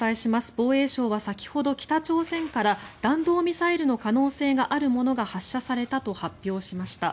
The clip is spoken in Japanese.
防衛省は先ほど北朝鮮から弾道ミサイルの可能性があるものが発射されたと発表しました。